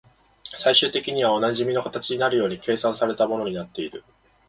最終的にはおなじみの形になるように計算された物になっている